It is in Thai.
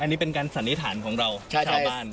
อันนี้เป็นการสันนิษฐานของเราชาวบ้าน